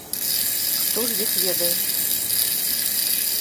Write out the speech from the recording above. Хто ж іх ведае?!